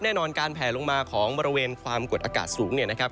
แน่นอนการแผลลงมาของบริเวณความกดอากาศสูงเนี่ยนะครับ